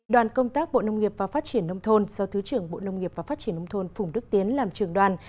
đoàn công tác bộ nông nghiệp và phát triển nông thôn do thứ trưởng bộ nông nghiệp và phát triển nông thôn phùng đức tiến làm trường đoàn